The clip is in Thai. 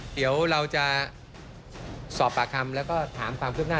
เดี๋ยวเราจะสอบปากคำแล้วก็ถามความคืบหน้า